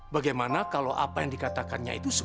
bagaimana kalau apa yang dikatakannya itu tidak benar